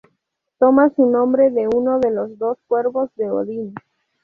Toma su nombre de uno de los dos cuervos de Odín.